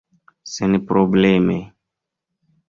senprobleme